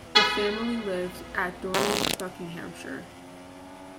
The family lived at Dorney, Buckinghamshire.